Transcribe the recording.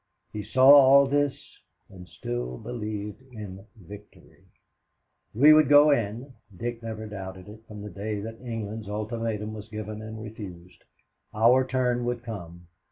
He saw all this and still believed in victory. We would go in. Dick never doubted it from the day that England's ultimatum was given and refused. Our turn would come.